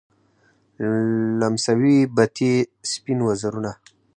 لمسوي بتې سپین وزرونه